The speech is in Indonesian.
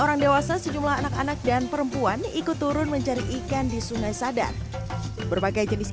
orang dewasa sejumlah anak anak dan perempuan ikut turun mencari ikan di sungai sadar berbagai jenis